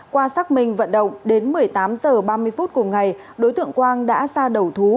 qua xác minh vận động đến một mươi tám h ba mươi phút cùng ngày đối tượng quang đã ra đầu thú